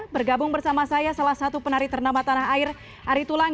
bergabung bersama saya salah satu penari ternama tanah air ari tulang